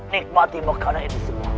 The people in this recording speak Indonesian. nikmati makanan ini semua